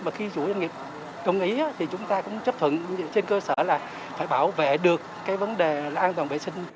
và khi chủ doanh nghiệp công ý thì chúng ta cũng chấp thuận trên cơ sở là phải bảo vệ được vấn đề an toàn vệ sinh